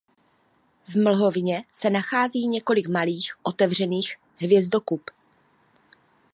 V mlhovině se nachází několik malých otevřených hvězdokup.